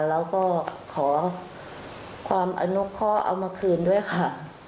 แล้วก็ขอความอนุพ่อเอามาคืนด้วยค่ะ